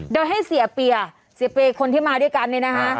โดยให้เสียเปียเสียเปียคนที่มาด้วยกันเนี่ยนะคะ